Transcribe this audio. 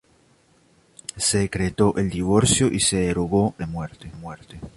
Se decretó el divorcio y se derogó la pena de muerte.